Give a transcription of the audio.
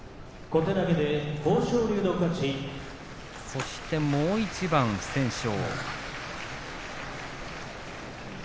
そしてもう一番、不戦勝。